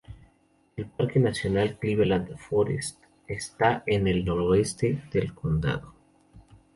El parque nacional Cleveland National Forest está en el noroeste del condado.